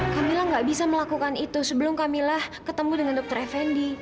kamilah nggak bisa melakukan itu sebelum kamilah ketemu dengan dokter effendi